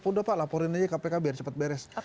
udah pak laporin aja kpk biar cepat beres